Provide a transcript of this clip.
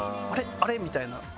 あれ？みたいな。